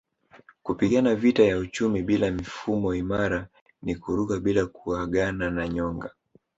Kupigana vita ya uchumi bila mifumo imara ni kuruka bila kuagana na nyonga